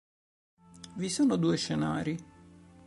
Vi sono due scenari.